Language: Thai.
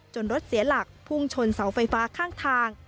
รถเสียหลักพุ่งชนเสาไฟฟ้าข้างทาง